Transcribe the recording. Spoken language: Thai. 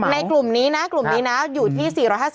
ในกลุ่มนี้นะอยู่ที่๔๕๐๖๕๐